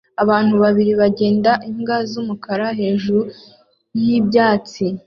Abantu babiri bagenda imbwa z'umukara hejuru y'ibyatsi